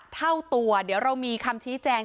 เท่าตัวเดี๋ยวเรามีคำชี้แจง